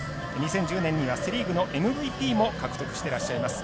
２０１０年にはセ・リーグのＭＶＰも獲得していらっしゃいます。